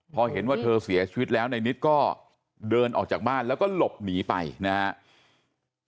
พอเห็นว่าเธอเสียชีวิตแล้วในนิดก็เดินออกจากบ้านแล้วก็หลบหนีไปนะครับ